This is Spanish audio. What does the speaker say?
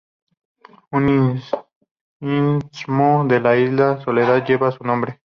Un istmo de la isla Soledad lleva su nombre.